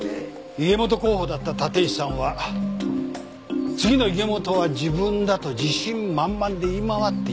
家元候補だった立石さんは次の家元は自分だと自信満々で言い回っていたようでしてね。